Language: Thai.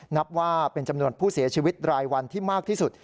นับว่าเป็นจำนวนผู้เสียชีวิตรายวันที่มากที่สุด